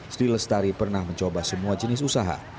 sri lestari pernah mencoba semua jenis usaha